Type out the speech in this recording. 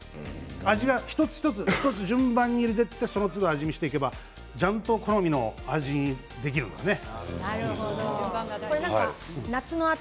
味は一つ一つ順番に入れていてそのつど味見をすれば、ちゃんと好みの味にできるんですね。